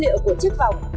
huyết áp của chức phòng